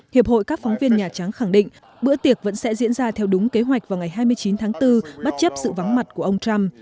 hiệp hội các phóng viên nhà trắng khẳng định bữa tiệc vẫn sẽ diễn ra theo đúng kế hoạch vào ngày hai mươi chín tháng bốn bất chấp sự vắng mặt của ông trump